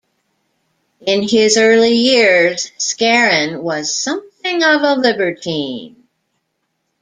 In his early years, Scarron was something of a libertine.